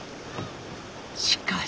しかし。